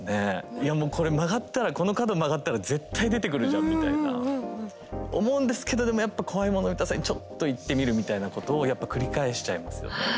いやもうこれ曲がったらこの角曲がったら絶対出てくるじゃんみたいな思うんですけどでもやっぱ怖いもの見たさにちょっと行ってみるみたいなことをやっぱ繰り返しちゃいますよね。